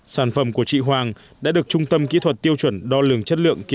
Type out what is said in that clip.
sản phẩm của chị hoàng đã được trung tâm kỹ thuật tiêu chuẩn đo lường chất lượng